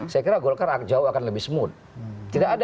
saya kira golkar jauh akan lebih smooth